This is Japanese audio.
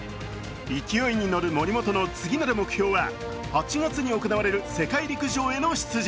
勢いに乗る森本の次なる目標は８月に行われる世界陸上への出場。